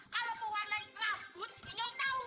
kalau pewarna ini rambut inyong tahu